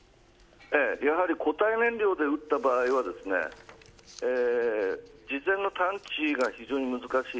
やはり固体燃料で撃った場合は事前の探知が非常に難しい。